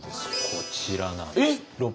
こちらなんです。